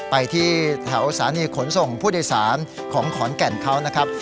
ไปที่แถวสถานีขนส่งผู้โดยสารของขอนแก่นเขานะครับ